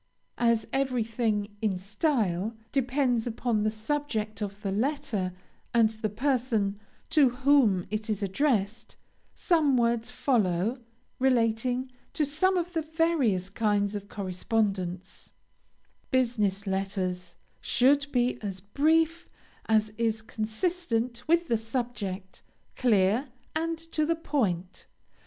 As everything, in style, depends upon the subject of the letter, and the person to whom it is addressed, some words follow, relating to some of the various kinds of correspondence: BUSINESS LETTERS should be as brief as is consistent with the subject; clear, and to the point.